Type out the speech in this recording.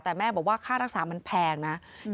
แต่แม่บอกว่าค่ารักษามันแพงนะ